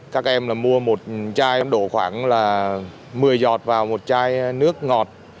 các em là mua một chai em đổ khoảng là một mươi giọt vào một chai nước ngọt